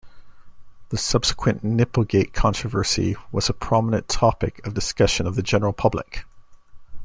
The subsequent "Nipplegate" controversy was a prominent topic of discussion of the general public.